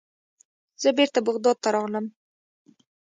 زه بیرته بغداد ته راغلم.